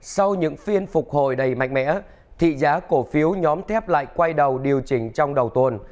sau những phiên phục hồi đầy mạnh mẽ thị giá cổ phiếu nhóm thép lại quay đầu điều chỉnh trong đầu tuần